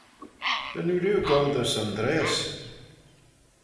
Ren oo rieau goll dys Andreays?